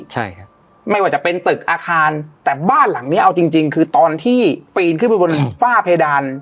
ใช่ครับไม่ว่าจะเป็นตึกอาคารแต่บ้านหลังเนี้ยเอาจริงจริงคือตอนที่ปีนขึ้นไปบนฝ้าเพดาน